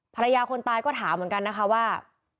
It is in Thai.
ภรรยาคนตายก็ถามเหมือนกันนะคะว่า